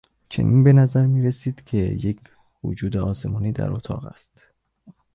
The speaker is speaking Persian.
چنین به نظر میرسید که یک وجود آسمانی در اتاق است.